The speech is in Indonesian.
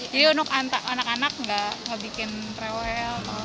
jadi untuk anak anak enggak bikin trewel